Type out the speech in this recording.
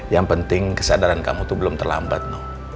yang penting kesadaran kamu tuh belum terlambat no